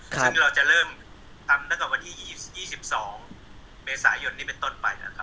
ซึ่งเราจะเรื่องทำแต่วันที่๒๒เมษายนนี่ให้ต้นไป